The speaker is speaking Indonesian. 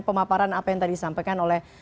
pemaparan apa yang tadi disampaikan oleh